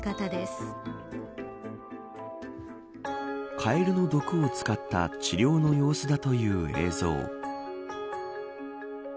カエルの毒を使った治療の様子だという映像。